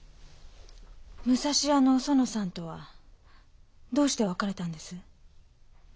武蔵屋のおそのさんとはどうして別れたんです？